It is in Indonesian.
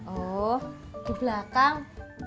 oh di belakang